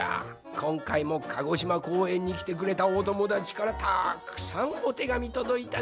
こんかいも鹿児島こうえんにきてくれたおともだちからたくさんおてがみとどいたぞい！